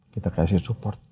kita kasih support buat elsa